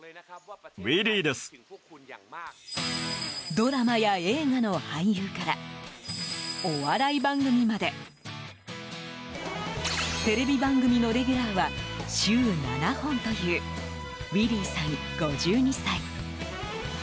ドラマや映画の俳優からお笑い番組までテレビ番組のレギュラーは週７本というウィリーさん、５２歳。